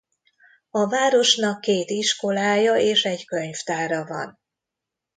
A városnak két iskolája és egy könyvtára van.